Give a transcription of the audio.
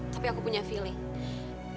tapi aku punya feeling